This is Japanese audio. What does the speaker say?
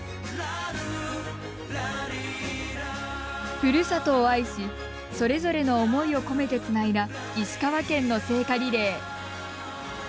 ふるさとを愛しそれぞれの思いを込めてつないだ石川県の聖火リレー。